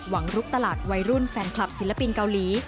ลุกตลาดวัยรุ่นแฟนคลับศิลปินเกาหลี